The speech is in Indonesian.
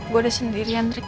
gue udah sendirian rik